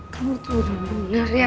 kamu tuh udah mulia rian